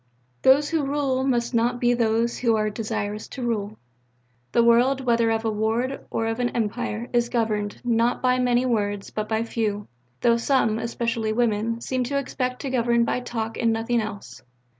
"Those who rule must not be those who are desirous to rule." "The world, whether of a ward or of an Empire, is governed, not by many words, but by few; though some, especially women, seem to expect to govern by talk and nothing else."